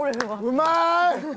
うまい！